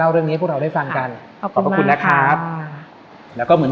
เรื่องนี้ให้พวกเราได้ฟังกันขอบพระคุณนะครับแล้วก็เหมือน